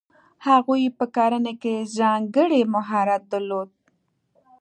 هغوی په کرنه کې ځانګړی مهارت درلود.